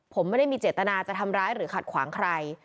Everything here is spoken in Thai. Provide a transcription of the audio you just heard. ผมไม่ได้มีเจตนาจะทำร้ายหรือขัดขวางใคร